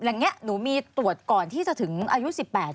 อย่างนี้หนูมีตรวจก่อนที่จะถึงอายุ๑๘